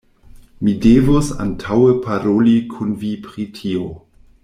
Mi devus antaŭe paroli kun vi pri tio.